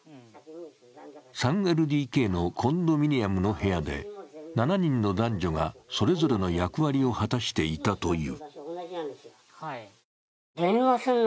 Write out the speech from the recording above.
３ＬＤＫのコンドミニアムの部屋で７人の男女がそれぞれの役割を果たしていたという。